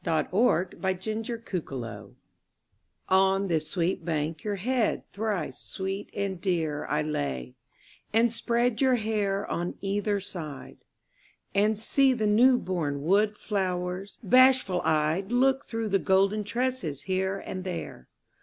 YOUTH'S SPRING TRIBUTE On this sweet bank your head thrice sweet and dear I lay, and spread your hair on either side, And see the newborn wood flowers bashful eyed Look through the golden tresses here and there.